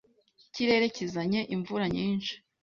Ikirere kizanye imvura nyinshi